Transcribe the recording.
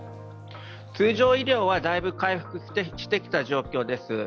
通常医療はだいぶ回復してきた状態です。